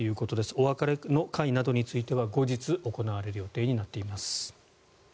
お別れの会などについては後日行われる予定になっています。